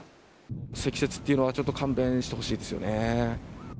積雪っていうのはちょっと勘弁してほしいですよね。